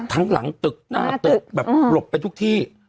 หลังตึกหน้าตึกแบบหลบไปทุกที่